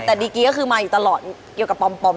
แต่ดีกี้ก็คือมาอยู่ตลอดเกี่ยวกับปอม